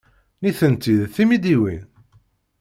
Nitenti d timidiwin?